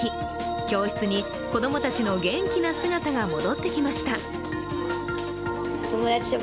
教室に子供たちの元気な姿が戻ってきました。